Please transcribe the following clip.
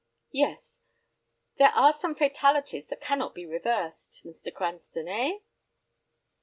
"Yes. There are some fatalities that cannot be reversed, Mr. Cranston, eh?"